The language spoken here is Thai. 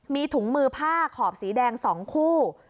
มีถุงมือผ้าขอบสีแดง๒คู่